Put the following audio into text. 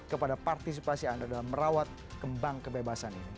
kepada partisipasi anda dalam merawat kembang kebebasan ini